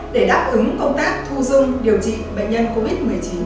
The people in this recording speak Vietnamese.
để đáp ứng công tác thu dung điều trị bệnh nhân covid một mươi chín